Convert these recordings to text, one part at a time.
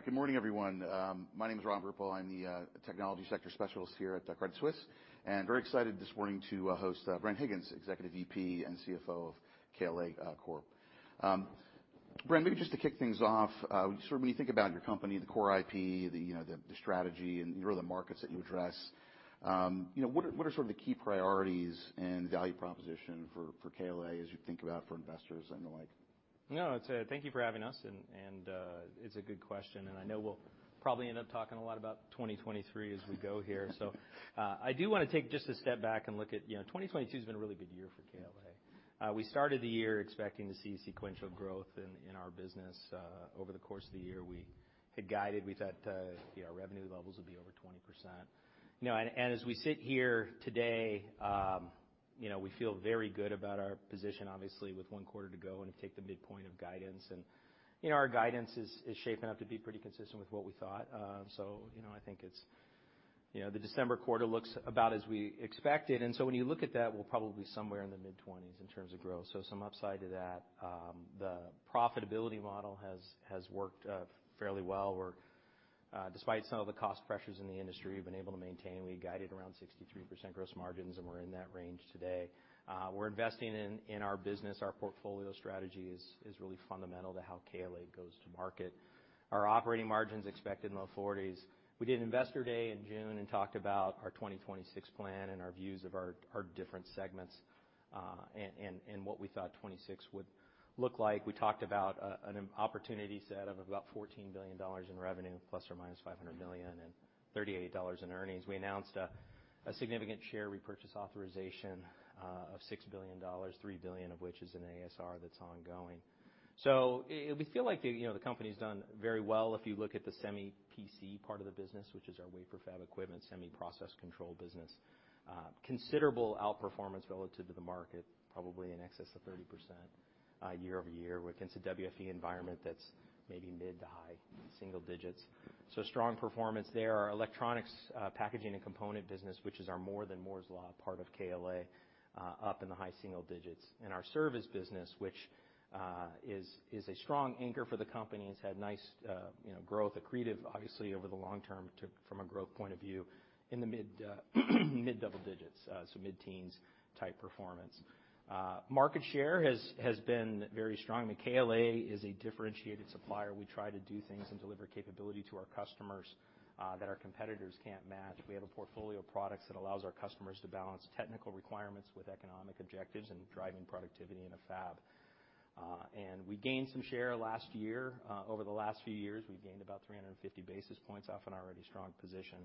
All right. Good morning, everyone. My name is Robert Ruple. I'm the Technology Sector Specialist here at Credit Suisse. Very excited this morning to host Bren Higgins, Executive VP and CFO of KLA Corp. Bren, maybe just to kick things off, sort of when you think about your company, the core IP, the, you know, the strategy and, you know, the markets that you address, you know, what are sort of the key priorities and value proposition for KLA as you think about for investors and the like? No, I'd say thank you for having us, and it's a good question, and I know we'll probably end up talking a lot about 2023 as we go here. I do wanna take just a step back and look at, you know, 2022 has been a really good year for KLA. We started the year expecting to see sequential growth in our business. Over the course of the year, we had guided, we thought, you know, revenue levels would be over 20%. You know, and as we sit here today, you know, we feel very good about our position, obviously, with one quarter to go and take the midpoint of guidance. You know, our guidance is shaping up to be pretty consistent with what we thought. You know, I think it's—you know, the December quarter looks about as we expected. When you look at that, we're probably somewhere in the mid-20s in terms of growth, so some upside to that. The profitability model has worked fairly well where, despite some of the cost pressures in the industry, we've been able to maintain. We guided around 63% gross margins, and we're in that range today. We're investing in our business. Our portfolio strategy is really fundamental to how KLA goes to market. Our operating margins expected in the 40s. We did Investor Day in June and talked about our 2026 plan and our views of our different segments, and what we thought 2026 would look like. We talked about an opportunity set of about $14 billion in revenue, ±$500 million, and $38 in earnings. We announced a significant share repurchase authorization of $6 billion, $3 billion of which is in ASR that's ongoing. We feel like the, you know, the company's done very well. If you look at the Semi PC part of the business, which is our wafer fab equipment, semiconductor process control business, considerable outperformance relative to the market, probably in excess of 30% year-over-year against a WFE environment that's maybe mid to high single digits. Strong performance there. Our Electronics, Packaging and Components business, which is our more than Moore's Law part of KLA, up in the high single digits. Our Service business which is a strong anchor for the company, has had nice, you know, growth, accretive obviously over the long term from a growth point of view in the mid double digits, so mid-teens type performance. Market share has been very strong. I mean, KLA is a differentiated supplier. We try to do things and deliver capability to our customers that our competitors can't match. We have a portfolio of products that allows our customers to balance technical requirements with economic objectives and driving productivity in a fab. We gained some share last year. Over the last few years, we've gained about 350 basis points off an already strong position,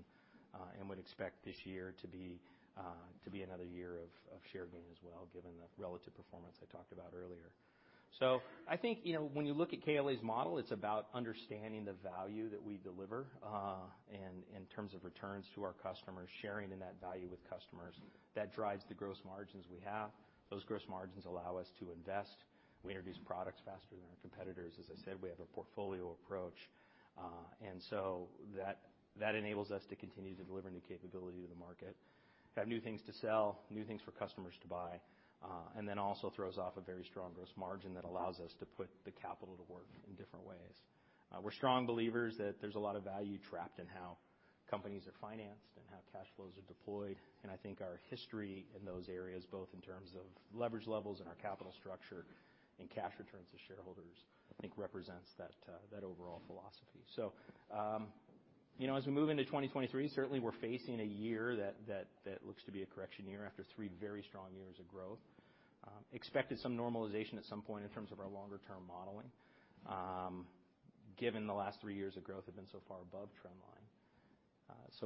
and would expect this year to be, to be another year of share gain as well, given the relative performance I talked about earlier. I think, you know, when you look at KLA's model, it's about understanding the value that we deliver, and in terms of returns to our customers, sharing in that value with customers. That drives the gross margins we have. Those gross margins allow us to invest. We introduce products faster than our competitors. As I said, we have a portfolio approach, that enables us to continue to deliver new capability to the market, have new things to sell, new things for customers to buy, then also throws off a very strong gross margin that allows us to put the capital to work in different ways. We're strong believers that there's a lot of value trapped in how companies are financed and how cash flows are deployed, I think our history in those areas, both in terms of leverage levels and our capital structure and cash returns to shareholders, I think represents that overall philosophy. You know, as we move into 2023, certainly we're facing a year that looks to be a correction year after three very strong years of growth. Expected some normalization at some point in terms of our longer term modeling, given the last three years of growth have been so far above trend line.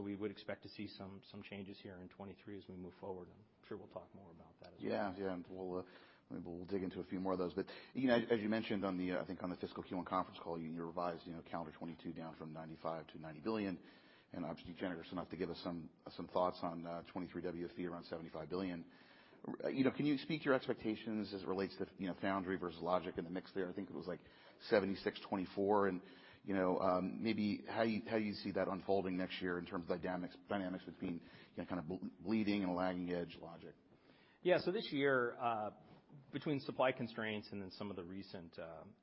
We would expect to see some changes here in 2023 as we move forward. I'm sure we'll talk more about that as well. Yeah. Yeah. We'll, maybe we'll dig into a few more of those. You know, as you mentioned on the, I think on the fiscal Q1 conference call, you revised, you know, calendar 2022 down from $95 billion to $90 billion. Obviously generous enough to give us some thoughts on 2023 WFE around $75 billion. You know, can you speak to your expectations as it relates to, you know, foundry versus logic and the mix there? I think it was like 76/24 and, you know, maybe how you see that unfolding next year in terms of dynamics between, you know, kind of bleeding and lagging edge logic. This year, between supply constraints and then some of the recent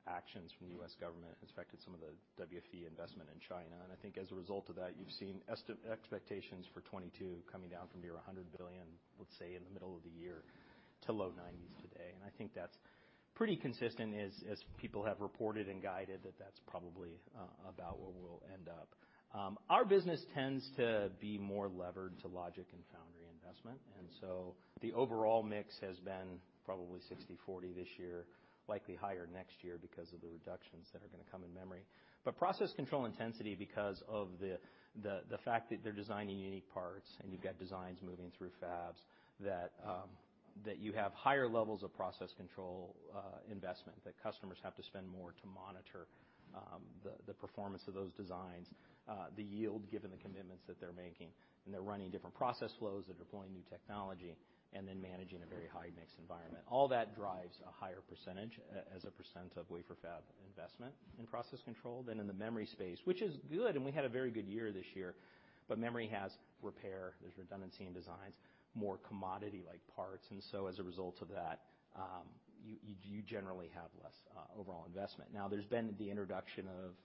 actions from the U.S. government has affected some of the WFE investment in China. I think as a result of that, you've seen expectations for 2022 coming down from near $100 billion, let's say, in the middle of the year to low $90 billion today. I think that's pretty consistent as people have reported and guided that that's probably about where we'll end up. Our business tends to be more levered to logic and foundry investment. The overall mix has been probably 60/40 this year, likely higher next year because of the reductions that are gonna come in memory. Process control intensity because of the fact that they're designing unique parts and you've got designs moving through fabs that you have higher levels of process control investment, that customers have to spend more to monitor the performance of those designs, the yield given the commitments that they're making, and they're running different process flows. They're deploying new technology and then managing a very high mix environment. All that drives a higher percentage as a percent of wafer fab investment in process control than in the memory space, which is good, and we had a very good year this year. Memory has repair. There's redundancy in designs, more commodity-like parts. As a result of that, you generally have less overall investment. There's been the introduction of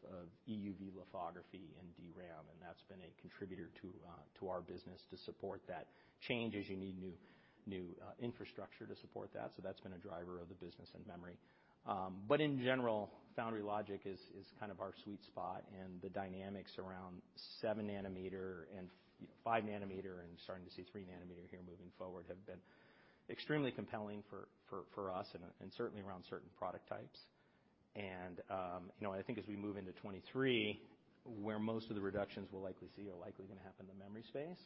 EUV lithography in DRAM, and that's been a contributor to our business to support that change, as you need new infrastructure to support that. That's been a driver of the business in memory. In general, foundry logic is kind of our sweet spot, and the dynamics around 7 nm and 5 nm and starting to see 3 nm here moving forward have been extremely compelling for us and certainly around certain product types. You know, I think as we move into 2023, where most of the reductions we'll likely see are likely gonna happen in the memory space.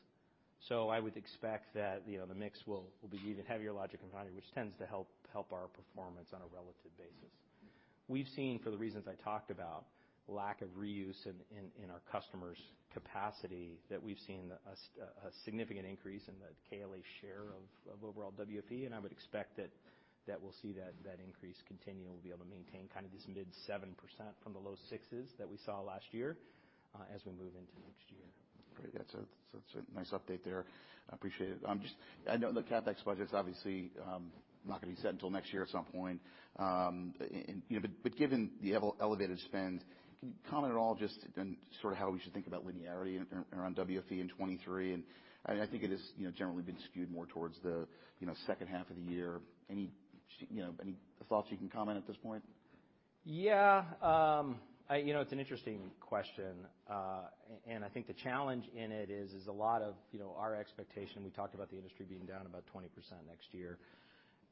I would expect that, you know, the mix will be even heavier logic and foundry, which tends to help our performance on a relative basis. We've seen, for the reasons I talked about, lack of reuse in our customers' capacity, that we've seen a significant increase in the KLA share of overall WFE, and I would expect that we'll see that increase continue and we'll be able to maintain kind of this mid-7% from the low-sixes that we saw last year, as we move into next year. Great. That's a, that's a nice update there. I appreciate it. Just, I know the CapEx budget's obviously, not gonna be set until next year at some point. You know, but given the elevated spend, can you comment at all just, sort of how we should think about linearity around WFE in 2023? I think it is, you know, generally been skewed more towards the, you know, second half of the year. Any you know, any thoughts you can comment at this point? Yeah. You know, it's an interesting question. I think the challenge in it is a lot of, you know, our expectation, we talked about the industry being down about 20% next year,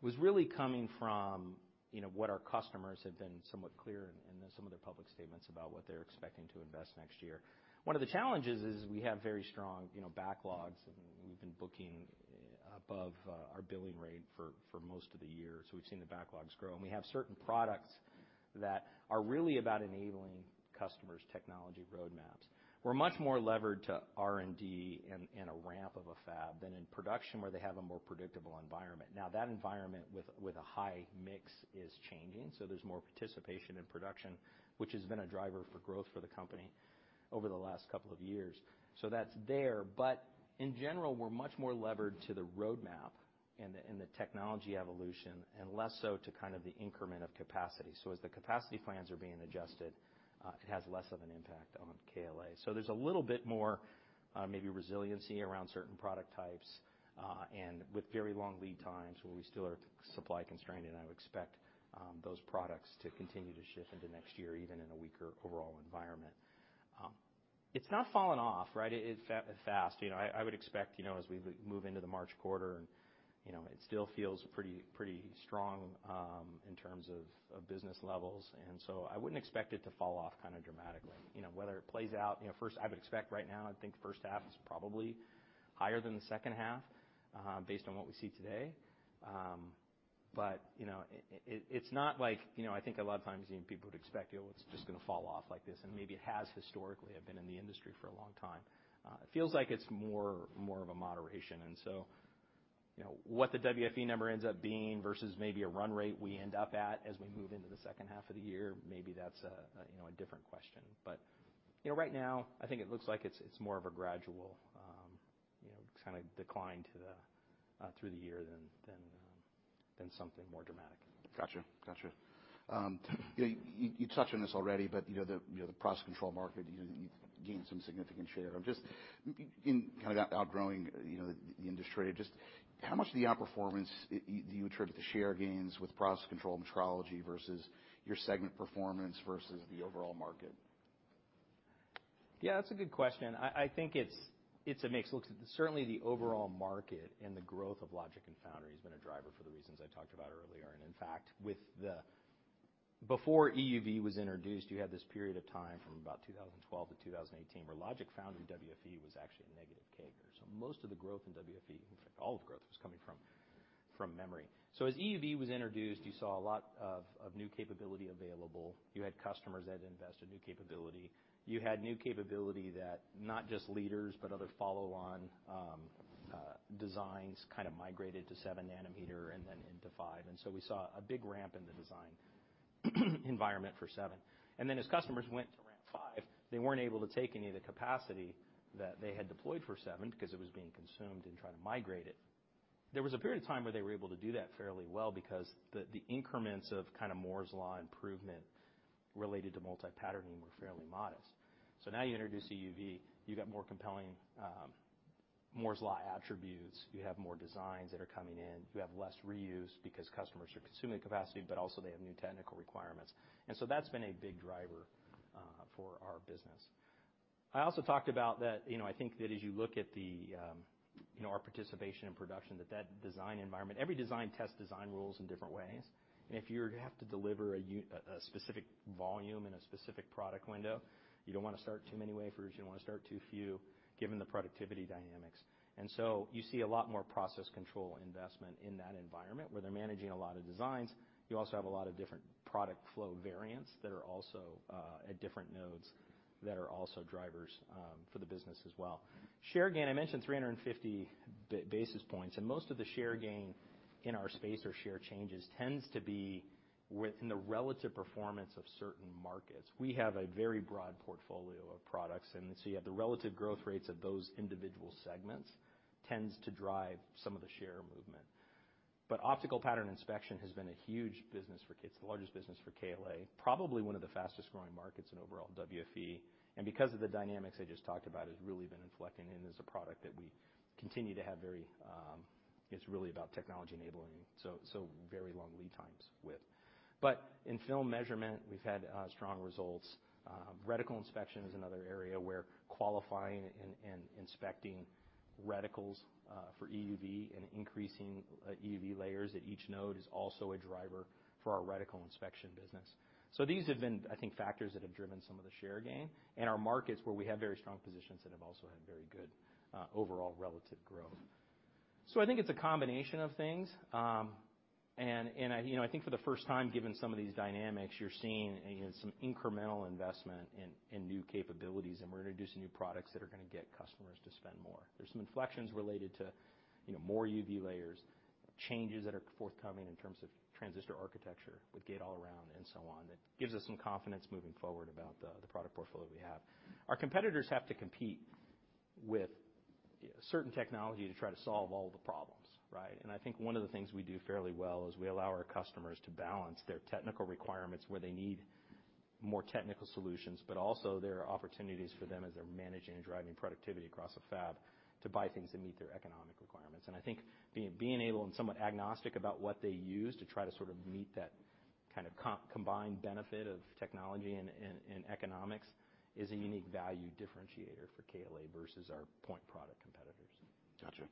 was really coming from, you know, what our customers have been somewhat clear in some of their public statements about what they're expecting to invest next year. One of the challenges is we have very strong, you know, backlogs, and we've been booking above our billing rate for most of the year. We've seen the backlogs grow. We have certain products that are really about enabling customers' technology roadmaps. We're much more levered to R&D and a ramp of a fab than in production, where they have a more predictable environment. That environment with a high mix is changing, there's more participation in production, which has been a driver for growth for the company over the last couple of years. That's there. In general, we're much more levered to the roadmap and the technology evolution and less so to kind of the increment of capacity. As the capacity plans are being adjusted, it has less of an impact on KLA. There's a little bit more maybe resiliency around certain product types and with very long lead times where we still are supply constrained, and I would expect those products to continue to shift into next year, even in a weaker overall environment. It's not falling off, right, fast. You know, I would expect, you know, as we move into the March quarter and, you know, it still feels pretty strong in terms of business levels. I wouldn't expect it to fall off kind of dramatically. You know, whether it plays out, you know, first, I would expect right now, I think first half is probably higher than the second half, based on what we see today. You know, it's not like, you know, I think a lot of times even people would expect, you know, it's just gonna fall off like this, and maybe it has historically. I've been in the industry for a long time. It feels like it's more of a moderation. You know, what the WFE number ends up being versus maybe a run rate we end up at as we move into the second half of the year, maybe that's a, you know, a different question. You know, right now, I think it looks like it's more of a gradual, you know, kind of decline to the through the year than something more dramatic. Gotcha. Gotcha. You know, you touched on this already, but you know, the process control market, you know, you've gained some significant share. Just in kind of outgrowing, you know, the industry, just how much of the outperformance do you attribute to share gains with process control metrology versus your segment performance versus the overall market? Yeah, that's a good question. I think it's a mix. Look, certainly the overall market and the growth of logic and foundry has been a driver for the reasons I talked about earlier. In fact, before EUV was introduced, you had this period of time from about 2012 to 2018 where logic foundry WFE was actually a negative CAGR. Most of the growth in WFE, in fact, all of the growth was coming from memory. As EUV was introduced, you saw a lot of new capability available. You had customers that had invested in new capability. You had new capability that not just leaders, but other follow-on designs kind of migrated to 7 nm and then into 5 nm. We saw a big ramp in the design environment for 7 nm. As customers went to ramp 5 nm, they weren't able to take any of the capacity that they had deployed for 7 nm because it was being consumed in trying to migrate it. There was a period of time where they were able to do that fairly well because the increments of kind of Moore's Law improvement related to multi-patterning were fairly modest. Now you introduce EUV, you got more compelling Moore's Law attributes. You have more designs that are coming in. You have less reuse because customers are consuming capacity, but also they have new technical requirements. That's been a big driver for our business. I also talked about that, you know, I think that as you look at the, you know, our participation in production, that that design environment, every design tests design rules in different ways, and if you're have to deliver a specific volume in a specific product window, you don't wanna start too many wafers. You don't wanna start too few, given the productivity dynamics. You see a lot more process control investment in that environment, where they're managing a lot of designs. You also have a lot of different product flow variants that are also at different nodes that are also drivers for the business as well. Share gain, I mentioned 350 basis points. Most of the share gain in our space or share changes tends to be within the relative performance of certain markets. We have a very broad portfolio of products, and so you have the relative growth rates of those individual segments tends to drive some of the share movement. Optical pattern inspection has been a huge business for KLA, it's the largest business for KLA, probably one of the fastest-growing markets in overall WFE. Because of the dynamics I just talked about, it has really been inflecting, and is a product that we continue to have very, it's really about technology enabling, so very long lead times with. In film measurement, we've had strong results. Reticle inspection is another area where qualifying and inspecting reticles for EUV and increasing EUV layers at each node is also a driver for our reticle inspection business. These have been, I think, factors that have driven some of the share gain. In our markets where we have very strong positions that have also had very good overall relative growth. I think it's a combination of things. I, you know, I think for the first time, given some of these dynamics, you're seeing, you know, some incremental investment in new capabilities, and we're introducing new products that are gonna get customers to spend more. There's some inflections related to, you know, more UV layers, changes that are forthcoming in terms of transistor architecture with gate all around and so on, that gives us some confidence moving forward about the product portfolio we have. Our competitors have to compete with certain technology to try to solve all the problems, right? I think one of the things we do fairly well is we allow our customers to balance their technical requirements where they need more technical solutions, but also there are opportunities for them as they're managing and driving productivity across a fab to buy things that meet their economic requirements. I think being able and somewhat agnostic about what they use to try to sort of meet that kind of combined benefit of technology and economics is a unique value differentiator for KLA versus our point product competitors. Gotcha.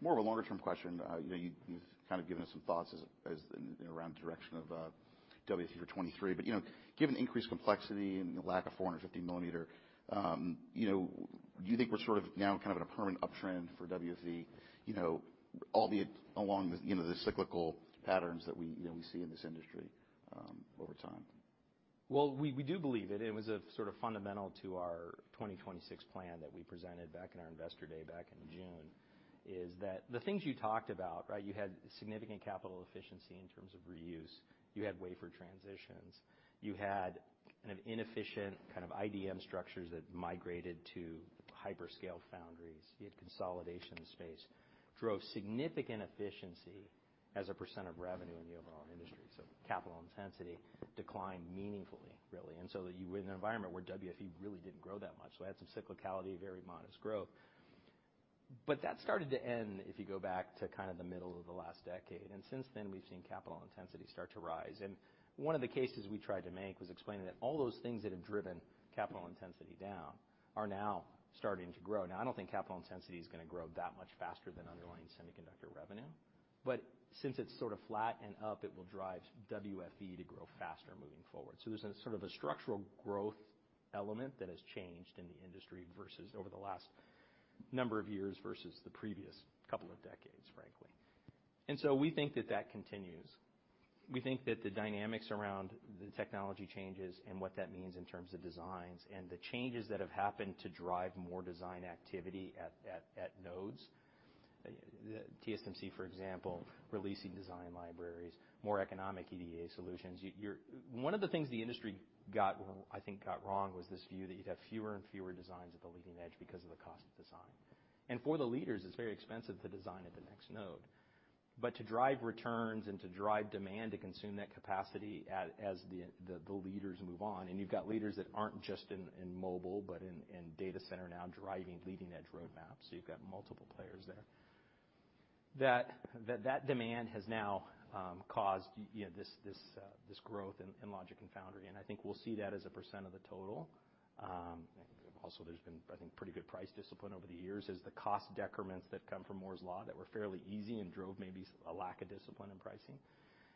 More of a longer-term question. You know, you've kind of given us some thoughts as, you know, around the direction of WFE for 2023. You know, given the increased complexity and the lack of 450 mm, you know, do you think we're sort of now kind of in a permanent uptrend for WFE, you know, albeit along the, you know, the cyclical patterns that we, you know, we see in this industry over time? Well, we do believe it. It was a sort of fundamental to our 2026 plan that we presented back in our Investor Day back in June, is that the things you talked about, right? You had significant capital efficiency in terms of reuse. You had wafer transitions. You had kind of inefficient kind of IDM structures that migrated to hyperscale foundries. You had consolidation in the space, drove significant efficiency as a percent of revenue in the overall industry. Capital intensity declined meaningfully, really. You were in an environment where WFE really didn't grow that much. It had some cyclicality, very modest growth. That started to end if you go back to kind of the middle of the last decade. Since then, we've seen capital intensity start to rise. One of the cases we tried to make was explaining that all those things that have driven capital intensity down are now starting to grow. I don't think capital intensity is gonna grow that much faster than underlying semiconductor revenue, but since it's sort of flat and up, it will drive WFE to grow faster moving forward. There's a sort of a structural growth element that has changed in the industry versus over the last number of years versus the previous couple of decades, frankly. We think that that continues. We think that the dynamics around the technology changes and what that means in terms of designs and the changes that have happened to drive more design activity at nodes. TSMC, for example, releasing design libraries, more economic EDA solutions. You're One of the things the industry got, I think got wrong was this view that you'd have fewer and fewer designs at the leading edge because of the cost of design. For the leaders, it's very expensive to design at the next node. To drive returns and to drive demand to consume that capacity as the leaders move on, and you've got leaders that aren't just in mobile, but in data center now driving leading-edge roadmaps. You've got multiple players there. That demand has now caused, you know, this growth in logic and foundry, and I think we'll see that as a percent of the total. Also there's been, I think, pretty good price discipline over the years as the cost decrements that come from Moore's Law that were fairly easy and drove maybe a lack of discipline in pricing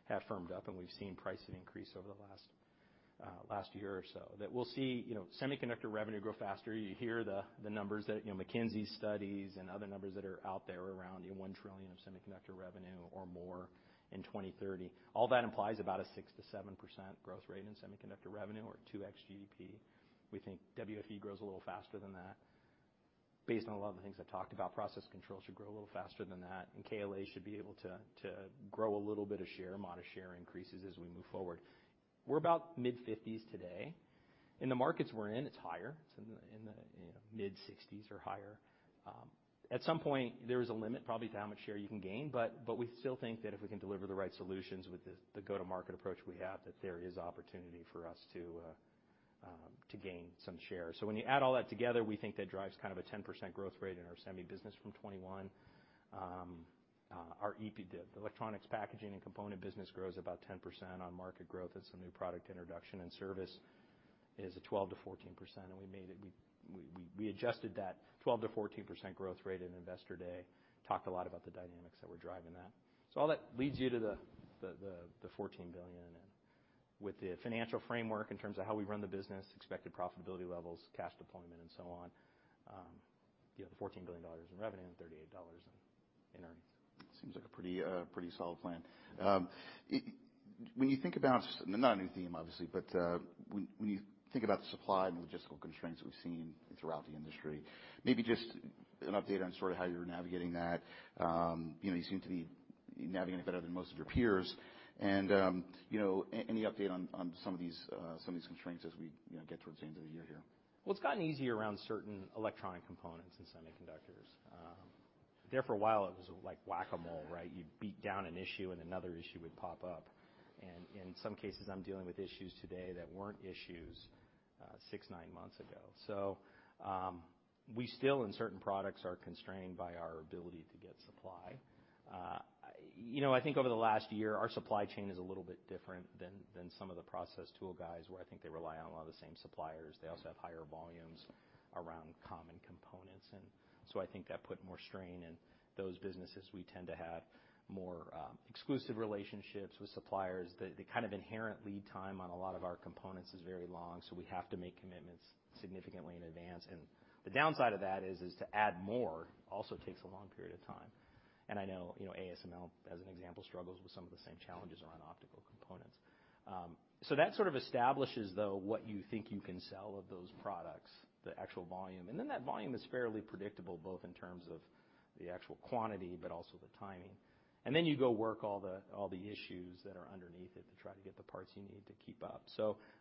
have firmed up, and we've seen pricing increase over the last year or so. We'll see, you know, semiconductor revenue grow faster. You hear the numbers that, you know, McKinsey studies and other numbers that are out there around, you know, $1 trillion of semiconductor revenue or more in 2030. All that implies about a 6%-7% growth rate in semiconductor revenue or 2x GDP. We think WFE grows a little faster than that. Based on a lot of the things I talked about, process controls should grow a little faster than that, and KLA should be able to grow a little bit of share, modest share increases as we move forward. We're about mid-50s today. In the markets we're in, it's higher. It's in the, you know, mid-60s or higher. At some point, there is a limit probably to how much share you can gain, but we still think that if we can deliver the right solutions with the go-to-market approach we have, that there is opportunity for us to gain some share. When you add all that together, we think that drives kind of a 10% growth rate in our semi business from 2021. Our EPC, Electronics, Packaging and Components business grows about 10% on market growth and some new product introduction, Service is at 12%-14%, We adjusted that 12%-14% growth rate at Investor Day, talked a lot about the dynamics that were driving that. All that leads you to the $14 billion. With the financial framework in terms of how we run the business, expected profitability levels, cash deployment, and so on, you have the $14 billion in revenue and $38 in earnings. Seems like a pretty solid plan. When you think about—not a new theme, obviously, but when you think about the supply and logistical constraints we've seen throughout the industry, maybe just an update on sort of how you're navigating that. You know, you're navigating better than most of your peers. You know, any update on some of these constraints as we, you know, get towards the end of the year here? It's gotten easier around certain electronic components and semiconductors. There for a while it was like whack-a-mole, right? You beat down an issue and another issue would pop up. In some cases, I'm dealing with issues today that weren't issues, six, nine months ago. We still, in certain products, are constrained by our ability to get supply. You know, I think over the last year, our supply chain is a little bit different than some of the process tool guys, where I think they rely on a lot of the same suppliers. They also have higher volumes around common components. I think that put more strain in those businesses. We tend to have more exclusive relationships with suppliers. The kind of inherent lead time on a lot of our components is very long, so we have to make commitments significantly in advance. The downside of that is to add more also takes a long period of time. I know, you know, ASML, as an example, struggles with some of the same challenges around optical components. That sort of establishes though what you think you can sell of those products, the actual volume. Then that volume is fairly predictable, both in terms of the actual quantity, but also the timing. Then you go work all the issues that are underneath it to try to get the parts you need to keep up.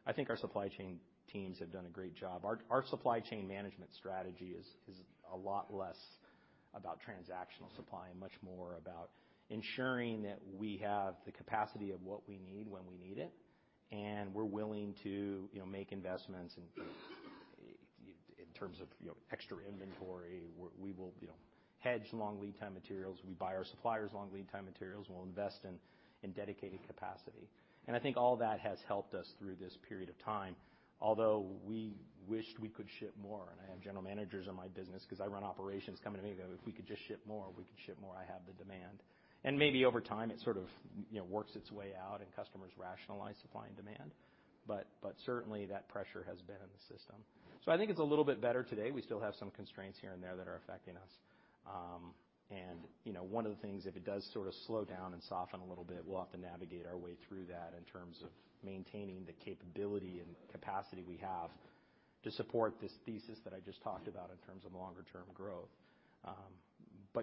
I think our supply chain teams have done a great job. Our supply chain management strategy is a lot less about transactional supply and much more about ensuring that we have the capacity of what we need when we need it, and we're willing to, you know, make investments in terms of, you know, extra inventory. We will, you know, hedge long lead time materials. We buy our suppliers long lead time materials. We'll invest in dedicated capacity. I think all that has helped us through this period of time. Although we wished we could ship more, and I have general managers in my business, 'cause I run operations, coming to me, if we could just ship more, I have the demand. Maybe over time, it sort of, you know, works its way out and customers rationalize supply and demand. Certainly that pressure has been in the system. I think it's a little bit better today. We still have some constraints here and there that are affecting us. You know, one of the things, if it does sort of slow down and soften a little bit, we'll have to navigate our way through that in terms of maintaining the capability and capacity we have to support this thesis that I just talked about in terms of longer term growth.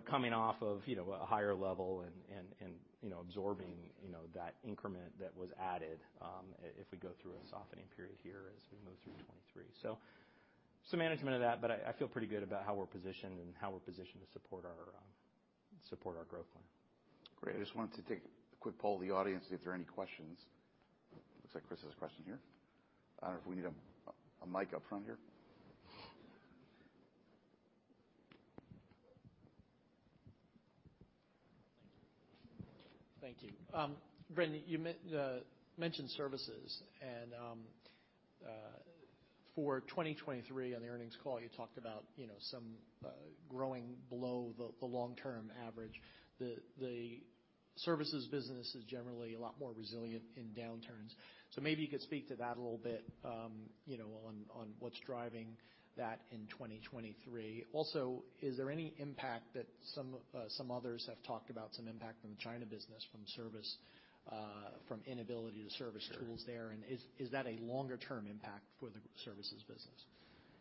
Coming off of, you know, a higher level and, you know, absorbing, you know, that increment that was added, if we go through a softening period here as we move through 2023. Some management of that, but I feel pretty good about how we're positioned and how we're positioned to support our support our growth plan. Great. I just wanted to take a quick poll of the audience, see if there are any questions. Looks like Chris has a question here. I don't know if we need a mic up front here. Thank you. Bren, you mentioned services and for 2023 on the earnings call, you talked about, you know, some growing below the long-term average. The Services business is generally a lot more resilient in downturns. Maybe you could speak to that a little bit, you know, on what's driving that in 2023. Also, is there any impact that some others have talked about, some impact from the China business, from service from inability to service tools there? Is that a longer term impact for the Services business?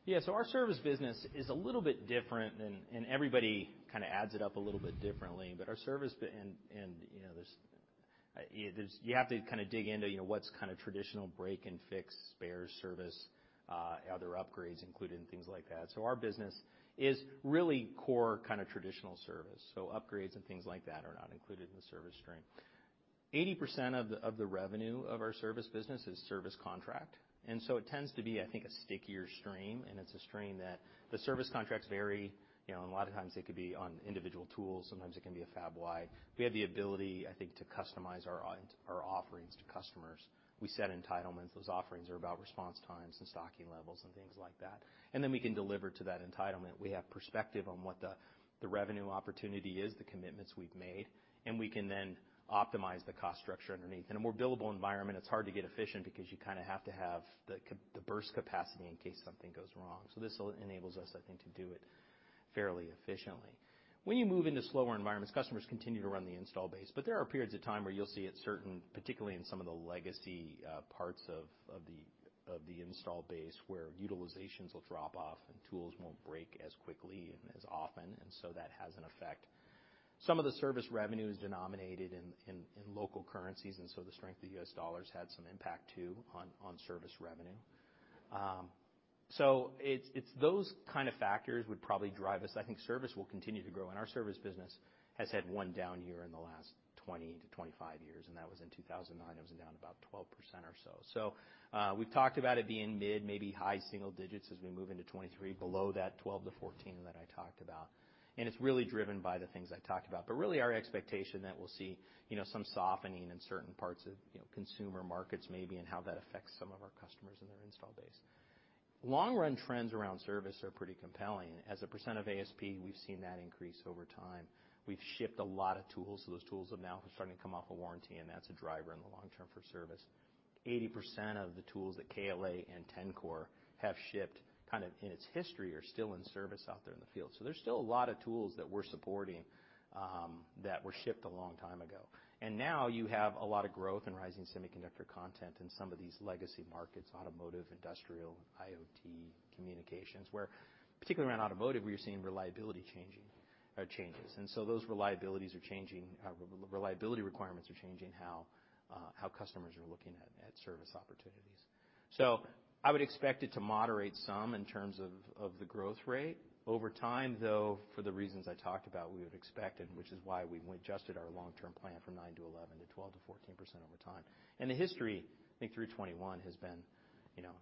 Yeah. Our Service business is a little bit different than, and everybody kinda adds it up a little bit differently. Our service and, you know, there's, you have to kinda dig into, you know, what's kinda traditional break and fix spares service, other upgrades included and things like that. Our business is really core kinda traditional service. Upgrades and things like that are not included in the service stream. 80% of the, of the revenue of our Service business is service contract. It tends to be, I think, a stickier stream, and it's a stream that the service contracts vary. You know, a lot of times they could be on individual tools, sometimes it can be a fab wide. We have the ability, I think, to customize our offerings to customers. We set entitlements. Those offerings are about response times and stocking levels and things like that. Then we can deliver to that entitlement. We have perspective on what the revenue opportunity is, the commitments we've made, and we can then optimize the cost structure underneath. In a more billable environment, it's hard to get efficient because you kinda have to have the burst capacity in case something goes wrong. This'll, enables us, I think, to do it fairly efficiently. When you move into slower environments, customers continue to run the install base, but there are periods of time where you'll see at certain, particularly in some of the legacy parts of the install base, where utilizations will drop off and tools won't break as quickly and as often, and so that has an effect. Some of the service revenue is denominated in local currencies, the strength of the U.S. dollar has had some impact too on service revenue. It's those kind of factors would probably drive us. I think service will continue to grow, and our Service business has had one down year in the last 20 to 25 years, and that was in 2009. It was down about 12% or so. We've talked about it being mid, maybe high single digits as we move into 2023, below that 12%-14% that I talked about. It's really driven by the things I talked about. Really our expectation that we'll see, you know, some softening in certain parts of, you know, consumer markets maybe, and how that affects some of our customers and their install base. Long run trends around service are pretty compelling. As a percent of ASP, we've seen that increase over time. We've shipped a lot of tools. Those tools are now starting to come off of warranty, and that's a driver in the long term for service. 80% of the tools that KLA and Tencor have shipped, kind of in its history, are still in service out there in the field. There's still a lot of tools that we're supporting that were shipped a long time ago. Now you have a lot of growth and rising semiconductor content in some of these legacy markets, automotive, industrial, IoT, communications, where particularly around automotive, we are seeing reliability requirements are changing how customers are looking at service opportunities. I would expect it to moderate some in terms of the growth rate. Over time though, for the reasons I talked about, we would expect it, which is why we adjusted our long-term plan from 9%-11% to 12-14% over time. The history, I think through 2021 has been, you know,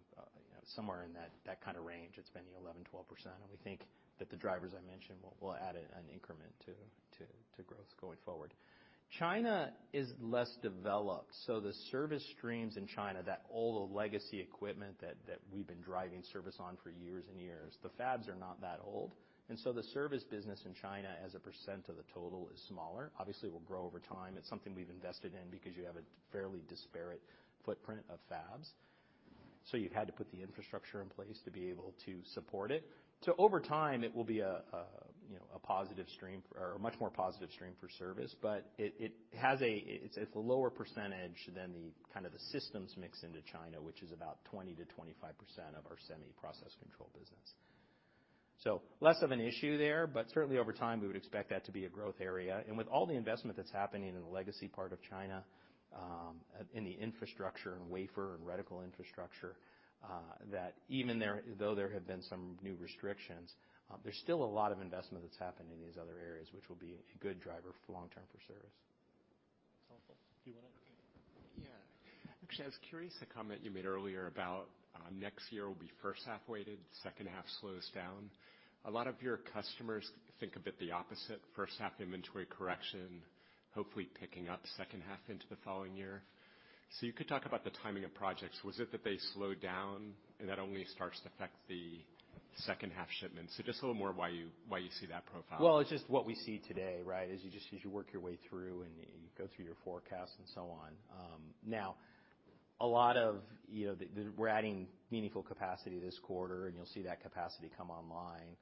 somewhere in that kind of range. It's been 11%, 12%, and we think that the drivers I mentioned will add an increment to growth going forward. China is less developed, the service streams in China, that old legacy equipment that we've been driving service on for years and years, the fabs are not that old. The Service business in China as a percent of the total is smaller. Obviously, it will grow over time. It's something we've invested in because you have a fairly disparate footprint of fabs. You had to put the infrastructure in place to be able to support it. Over time, it will be a, you know, a positive stream or a much more positive stream for service, but it's a lower percentage than the kind of the systems mix into China, which is about 20%-25% of our semiconductor process control business. Less of an issue there, but certainly over time, we would expect that to be a growth area. With all the investment that's happening in the legacy part of China, in the infrastructure and wafer and reticle infrastructure, that even there, though there have been some new restrictions, there's still a lot of investment that's happened in these other areas, which will be a good driver for long-term for service. That's helpful. Yeah. Actually, I was curious, the comment you made earlier about next year will be first half weighted, second half slows down. A lot of your customers think of it the opposite, first half inventory correction, hopefully picking up second half into the following year. You could talk about the timing of projects. Was it that they slowed down and that only starts to affect the second half shipments? Just a little more why you, why you see that profile. It's just what we see today, right? Is you just, as you work your way through and you go through your forecast and so on. Now, a lot of, you know, the, we're adding meaningful capacity this quarter, and you'll see that capacity come online,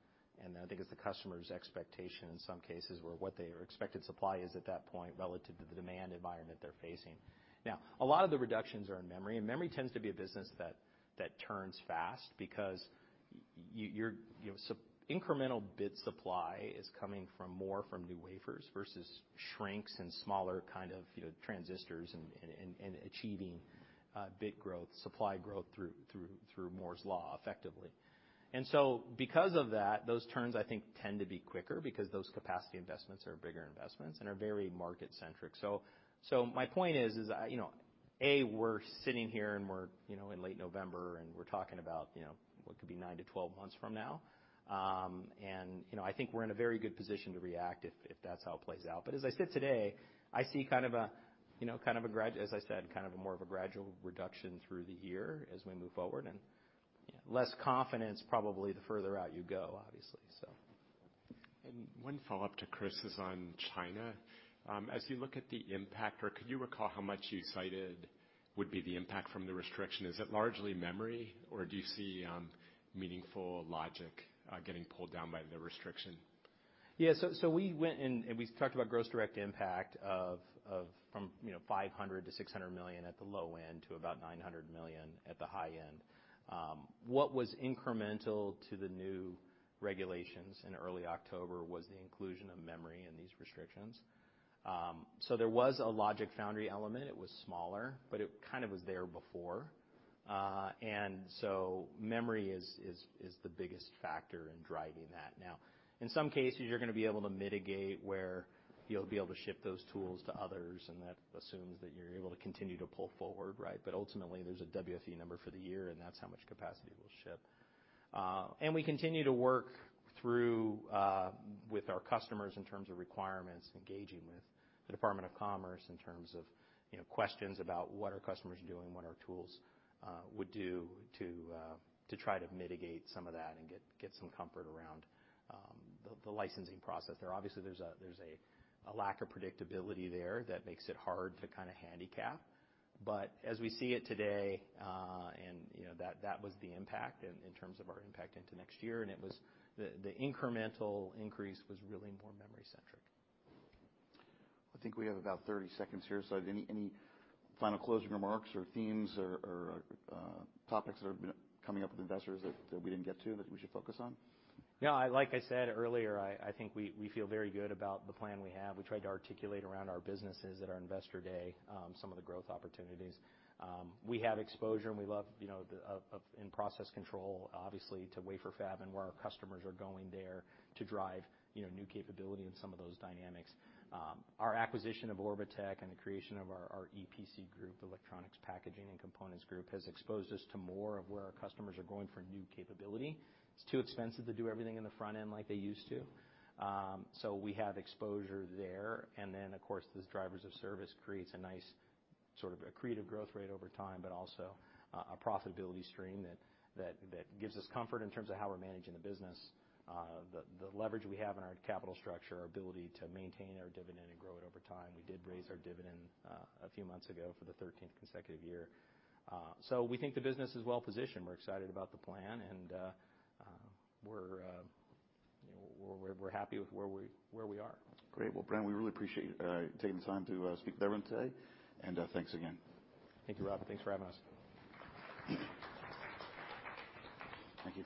and I think it's the customer's expectation in some cases where what their expected supply is at that point relative to the demand environment they're facing. Now, a lot of the reductions are in memory, and memory tends to be a business that turns fast because you're, you know, so incremental bit supply is coming from more from new wafers versus shrinks and smaller kind of, you know, transistors and achieving bit growth, supply growth through Moore's Law effectively. Because of that, those turns I think tend to be quicker because those capacity investments are bigger investments and are very market-centric. My point is I, you know, A, we're sitting here and we're, you know, in late November and we're talking about, you know, what could be nine to 12 months from now. You know, I think we're in a very good position to react if that's how it plays out. As I sit today, I see kind of a, you know, kind of a, as I said, kind of a more of a gradual reduction through the year as we move forward. Less confidence probably the further out you go, obviously. One follow-up to Chris is on China. As you look at the impact or could you recall how much you cited would be the impact from the restriction? Is it largely memory or do you see meaningful logic getting pulled down by the restriction? We went and we talked about gross direct impact of from, you know, $500 million-$600 million at the low end to about $900 million at the high end. What was incremental to the new regulations in early October was the inclusion of memory in these restrictions. So there was a logic foundry element. It was smaller, but it kind of was there before. Memory is the biggest factor in driving that. Now, in some cases, you're gonna be able to mitigate where you'll be able to ship those tools to others, and that assumes that you're able to continue to pull forward, right? Ultimately, there's a WFE number for the year, and that's how much capacity we'll ship. We continue to work through with our customers in terms of requirements, engaging with the Department of Commerce in terms of, you know, questions about what our customers are doing, what our tools would do to try to mitigate some of that and get some comfort around the licensing process. There obviously there's a lack of predictability there that makes it hard to kind of handicap. As we see it today, and you know, that was the impact in terms of our impact into next year, and it was the incremental increase was really more memory centric. I think we have about 30-seconds here, so any final closing remarks or themes or topics that have been coming up with investors that we didn't get to that we should focus on? Like I said earlier, I think we feel very good about the plan we have. We tried to articulate around our businesses at our Investor Day, some of the growth opportunities. We have exposure, and we love, you know, in process control, obviously, to wafer fab and where our customers are going there to drive, you know, new capability in some of those dynamics. Our acquisition of Orbotech and the creation of our EPC group, Electronics, Packaging and Components group, has exposed us to more of where our customers are going for new capability. It's too expensive to do everything in the front end like they used to. We have exposure there. Of course, those drivers of service creates a nice sort of accretive growth rate over time, but also a profitability stream that gives us comfort in terms of how we're managing the business. The leverage we have in our capital structure, our ability to maintain our dividend and grow it over time. We did raise our dividend a few months ago for the 13th consecutive year. We think the business is well-positioned. We're excited about the plan, and you know, we're happy with where we are. Great. Well, Bren, we really appreciate you, taking the time to speak with everyone today, thanks again. Thank you, Rob. Thanks for having us. Thank you.